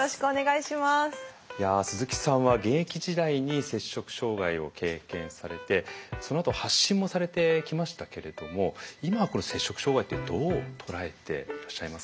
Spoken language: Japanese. いや鈴木さんは現役時代に摂食障害を経験されてそのあと発信もされてきましたけれども今これ摂食障害ってどう捉えていらっしゃいますか？